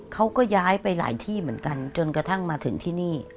เขาก็ย้ายไปหลายที่เหมือนกันจนกระทั่งมาถึงที่นี่